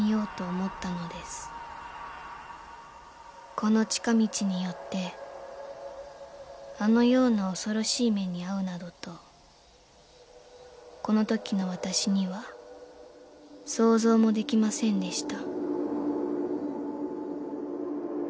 ［この近道によってあのような恐ろしい目に遭うなどとこのときの私には想像もできませんでした］